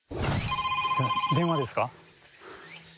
電話ですか？